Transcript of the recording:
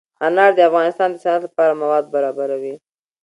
انار د افغانستان د صنعت لپاره مواد برابروي.